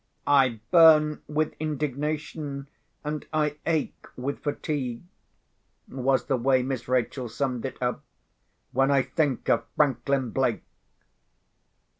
"I burn with indignation, and I ache with fatigue," was the way Miss Rachel summed it up, "when I think of Franklin Blake."